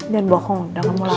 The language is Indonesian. jangan bohong udah kamu lapar